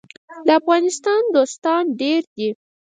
د افغانستان دوستان ډیر دي